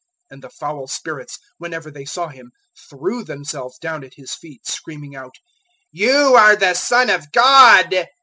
003:011 And the foul spirits, whenever they saw Him, threw themselves down at His feet, screaming out: "You are the Son of God."